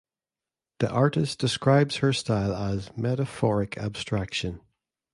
The artist describes her style as "metaphoric abstraction".